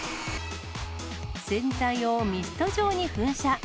洗剤をミスト状に噴射。